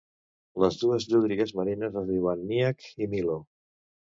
Les dues llúdrigues marines es diuen Nyac i Milo.